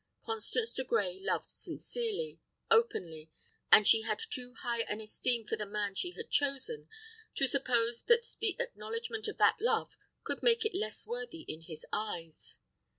Constance de Grey loved sincerely, openly, and she had too high an esteem for the man she had chosen, to suppose that the acknowledgment of that love could make it less worthy in his eyes.